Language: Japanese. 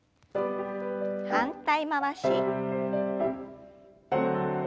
反対回し。